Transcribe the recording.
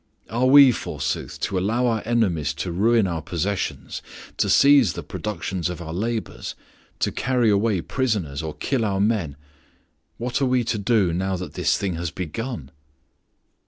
Are we, forsooth, to allow our enemies to ruin our possessions, to seize the productions of our labors, to carry away prisoners, or kill our men? What are we to do now that this thing has begun?"